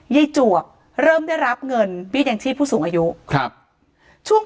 ยจวกเริ่มได้รับเงินวิตอย่างที่ผู้สูงอายุครับช่วง